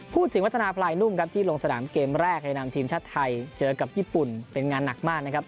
พูดถึงพลังธนาพลายที่โรงสนามเกมแรกดากตีมชาติไทยเจอกับญี่ปุ่นเป็นงานหนักมากนะครับ